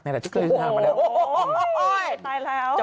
นั่นแหละชุดข้างหน้ามาแล้วโอ้โฮโอ้โฮโอ้ยจับประคุณตายแล้ว